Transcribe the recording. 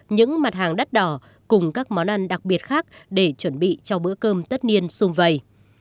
những mặt hàng đắt đỏ cùng các món ăn đặc biệt khác để chuẩn bị cho bữa cơm tất niên xung vầy